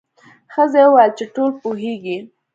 ښځې وویل چې ټول پوهیږي.